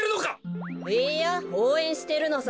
いいやおうえんしてるのさ。